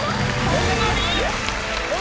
こんなに？